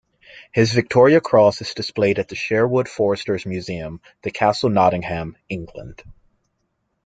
His Victoria Cross is displayed at the Sherwood Foresters Museum, The Castle, Nottingham, England.